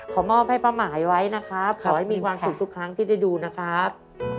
มอบให้ป้าหมายไว้นะครับขอให้มีความสุขทุกครั้งที่ได้ดูนะครับ